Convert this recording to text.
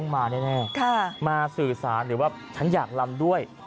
มาแล้วล่ะค่ะมาสื่อสารหรือว่าฉันอยากรำด้วย